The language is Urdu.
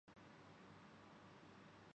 تھی کہ ان کمزوریوں کو ہم دور کرتے۔